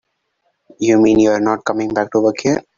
You mean you're not coming back to work here?